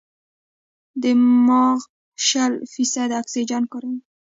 دماغ شل فیصده اکسیجن کاروي.